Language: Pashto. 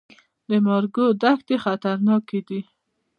د مارګو دښتې خطرناکې دي؟